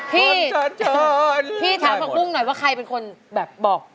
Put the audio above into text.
พี่เชิญพี่ถามผักบุ้งหน่อยว่าใครเป็นคนแบบบอก